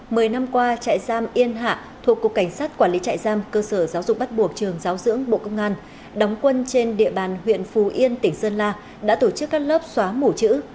mười năm qua trại giam yên hạ thuộc cục cảnh sát quản lý trại giam cơ sở giáo dục bắt buộc trường giáo dưỡng bộ công an đóng quân trên địa bàn huyện phù yên tỉnh sơn la đã tổ chức các lớp xóa mù chữ